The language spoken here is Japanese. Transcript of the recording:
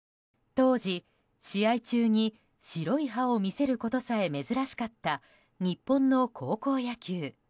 当時、試合中に白い歯を見せることさえ珍しかった、日本の高校野球。